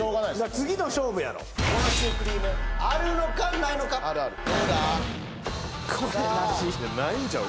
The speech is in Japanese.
次の勝負やろこのシュークリームあるのかないのかあるあるないんちゃう？